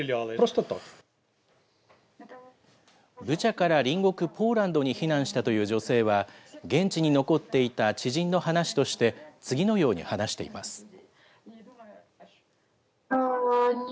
ブチャから隣国ポーランドに避難したという女性は、現地に残っていた知人の話として、次のように話しています。